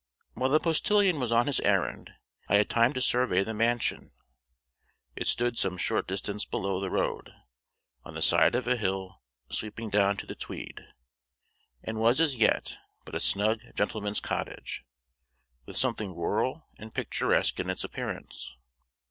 While the postilion was on his errand, I had time to survey the mansion. It stood some short distance below the road, on the side of a hill sweeping down to the Tweed; and was as yet but a snug gentleman's cottage, with something rural and picturesque in its appearance.